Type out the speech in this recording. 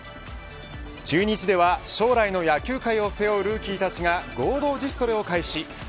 中日では将来の野球界を背負うルーキーたちが合同自主トレを開始。